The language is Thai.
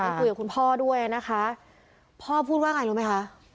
คุยกับคุณพ่อด้วยนะคะพ่อพูดว่าไงรู้ไหมคะ